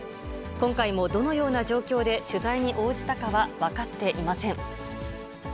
今回もどのような状況で取材に応じたかは、分かっていません。